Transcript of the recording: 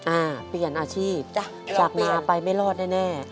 อ่าเปลี่ยนอาชีพจ้ะจากเมียไปไม่รอดแน่